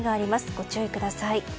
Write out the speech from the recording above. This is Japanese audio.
ご注意ください。